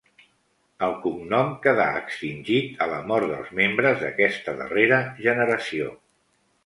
El cognom quedà extingit a la mort dels membres d'aquesta darrera generació.